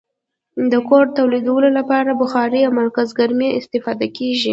د کور تودولو لپاره له بخارۍ او مرکزګرمي استفاده کیږي.